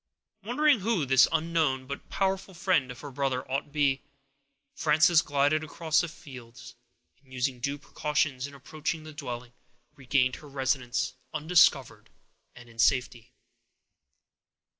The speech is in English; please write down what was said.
Wondering who this unknown but powerful friend of her brother could be, Frances glided across the fields, and using due precautions in approaching the dwelling, regained her residence undiscovered and in safety.